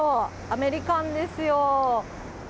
アメリカンですよ。